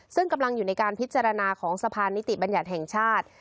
ซึ่งกำลังอยู่ในการพิจารณาของสะพานนิติบัญญัติแห่งชาติ